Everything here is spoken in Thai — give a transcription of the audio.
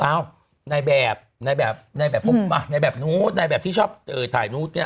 อ้าวนายแบบนายแบบพุทธนายแบบนูสที่ชอบถ่ายนูสเเนี่ย